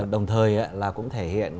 đồng thời là cũng thể hiện